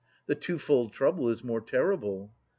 The two fold trouble is more terrible.